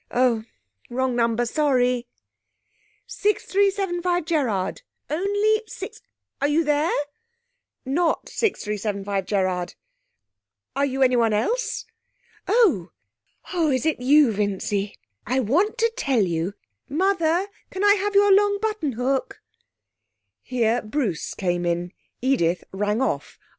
Oh wrong number sorry.... 6375 Gerrard? Only six are you there?... Not 6375 Gerrard?... Are you anyone else?... Oh, is it you, Vincy?... I want to tell you ' 'Mother, can I have your long buttonhook?' Here Bruce came in. Edith rang off.